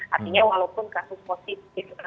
artinya walaupun kasus positif